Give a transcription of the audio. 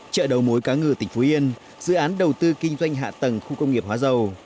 chợ đầu mối cá ngừ tỉnh phú yên dự án đầu tư kinh doanh hạ tầng khu công nghiệp hóa dầu